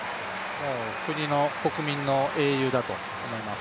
国民の英雄だと思います。